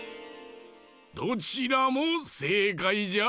どちらもせいかいじゃ。